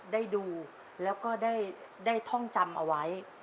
ได้ดูแล้วก็ได้ท่องจำเอาไว้